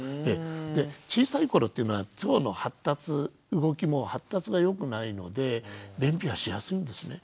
で小さい頃っていうのは腸の発達動きも発達がよくないので便秘はしやすいんですね。